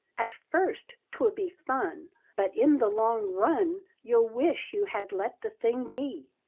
"At first 'twill be fun, But, in the long run, You'll wish you had let the thing be.